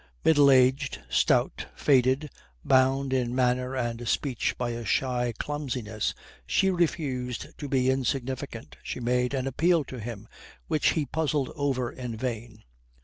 Middle aged, stout, faded, bound in manner and speech by a shy clumsiness, she refused to be insignificant, she made an appeal to him which he puzzled over in vain.